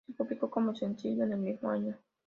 Se publicó como sencillo en el mismo año.